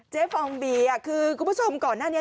ฟองเบียร์คือคุณผู้ชมก่อนหน้านี้